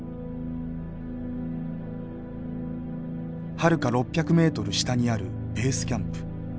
はるか６００ｍ下にあるベースキャンプ。